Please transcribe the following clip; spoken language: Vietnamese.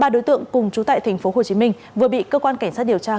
ba đối tượng cùng chú tại tp hcm vừa bị cơ quan cảnh sát điều tra